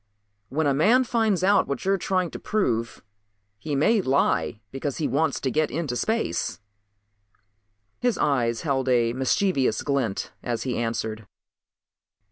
"When a man finds out what you are trying to prove he may lie because he wants to get into space." His eyes held a mischievous glint as he answered.